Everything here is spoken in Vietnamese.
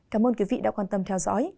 cảm ơn quý vị đã quan tâm theo dõi